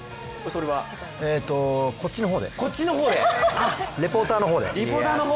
えーと、こっちの方でレポーターの方で。